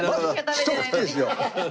まだ一口ですよ。